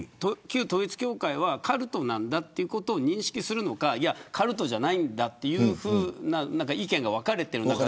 旧統一教会はカルトなんだと認識するのかカルトじゃないんだというふうな意見が分かれているんです。